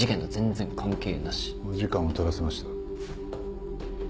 お時間をとらせました。